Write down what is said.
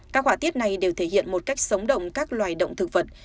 các họa tiết này đều thể hiện một cách sống động các loài động thực vật